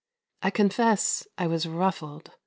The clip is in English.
I confess I was ruffled.